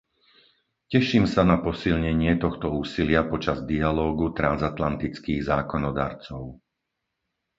Teším sa na posilnenie tohto úsilia počas dialógu transatlantických zákonodarcov.